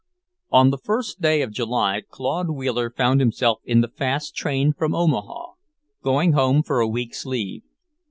X On the first day of July Claude Wheeler found himself in the fast train from Omaha, going home for a week's leave.